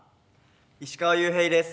石川裕平です。